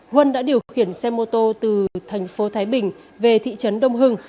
huân đã điều khiển xe mô tô từ thành phố thái bình về thị trấn đông hưng